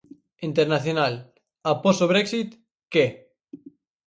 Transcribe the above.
Internacional: 'Após o Brexit, que?'.